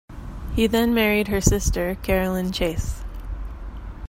He then married her sister, Caroline Chase.